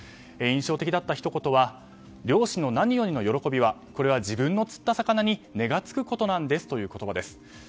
印象的だったひと言は漁師の何よりの喜びは自分の釣った魚に値がつくことなんですという言葉です。